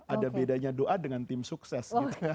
ada bedanya doa dengan tim sukses